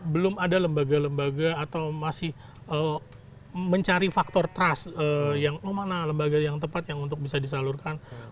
belum ada lembaga lembaga atau masih mencari faktor trust yang mana lembaga yang tepat yang untuk bisa disalurkan